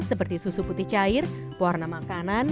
seperti susu putih cair pewarna makanan